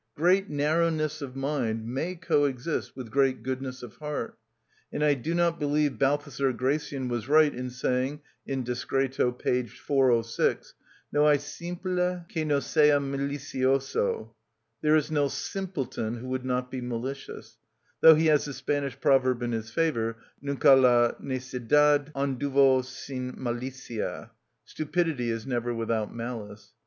Great narrowness of mind may coexist with great goodness of heart, and I do not believe Balthazar Gracian was right in saying (Discreto, p. 406), "No ay simple, que no sea malicioso" ("There is no simpleton who would not be malicious"), though he has the Spanish proverb in his favour, "Nunca la necedad anduvo sin malicia" ("Stupidity is never without malice").